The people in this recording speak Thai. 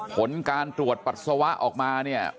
ผลการตรวจปัสสาวะออกมาเนี่ย